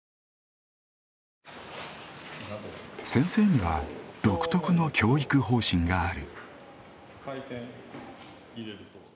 先生には独特の教育方針がある。